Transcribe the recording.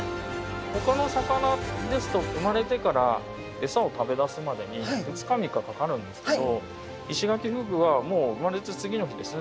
ほかの魚ですと生まれてから餌を食べだすまでに２日３日かかるんですけどイシガキフグはもう生まれて次の日ですね。